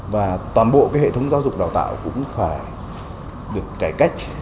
và toàn bộ cái hệ thống giáo dục đào tạo cũng phải được cải cách